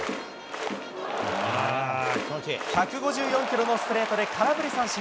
１５４キロのストレートで空振り三振。